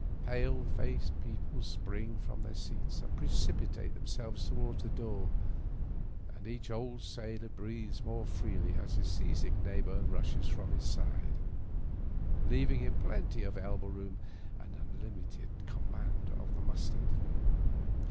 Pale faced people spring from their seats and precipitate themselves toward the door, and each old sailor breathes more freely as his seansick neighbor rushes from his side, leaving him plenty of elbow room and an unlimited com mand over the mustard.